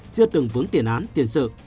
chưa từng vướng tiền án tiền sự